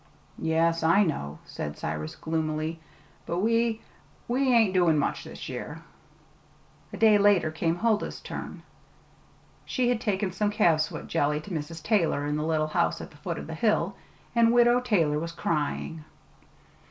"Yes, I know," said Cyrus gloomily. "But we we ain't doin' much this year." A day later came Huldah's turn. She had taken some calf's foot jelly to Mrs. Taylor in the little house at the foot of the hill. The Widow Taylor was crying.